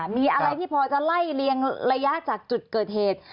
มีอะไรที่พอจะไล่เลียงระยะจากจุดเกิดเหตุ